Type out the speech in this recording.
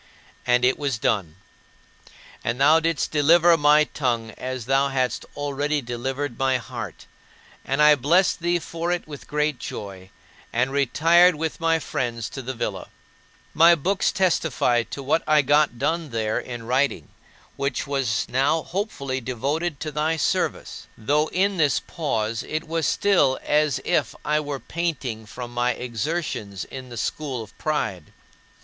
And it was done. And thou didst deliver my tongue as thou hadst already delivered my heart; and I blessed thee for it with great joy, and retired with my friends to the villa. My books testify to what I got done there in writing, which was now hopefully devoted to thy service; though in this pause it was still as if I were panting from my exertions in the school of pride.